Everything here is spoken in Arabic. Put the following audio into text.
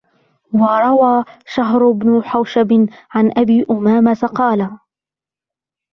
وَرَوَى شَهْرُ بْنُ حَوْشَبٍ عَنْ أَبِي أُمَامَةَ قَالَ